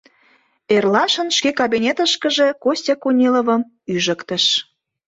Эрлашын шке кабинетышкыже Костя Куниловым ӱжыктыш.